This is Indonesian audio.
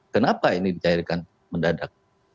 kenapa ini dicairkan mendadak